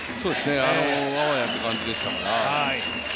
あわやという感じでしたから。